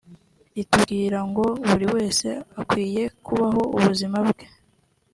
ritubwira ngo buri wese akwiye kubaho ubuzima bwe